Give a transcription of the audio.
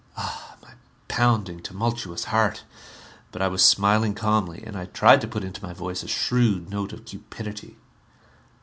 Ah, my pounding, tumultuous heart! But I was smiling calmly. And I tried to put into my voice a shrewd note of cupidity.